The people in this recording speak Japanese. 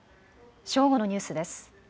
正午のニュースです。